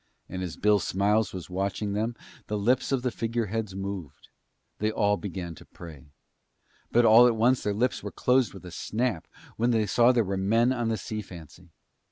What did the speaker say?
And as Bill Smiles was watching them, the lips of the figureheads moved; they all began to pray. But all at once their lips were closed with a snap when they saw that there were men on the Sea Fancy.